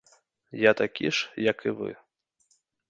Я такі ж, як і вы.